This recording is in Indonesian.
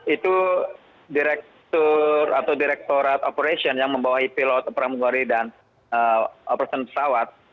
itu direktur atau direkturat operasional yang membawahi pilot perang guari dan operasi pesawat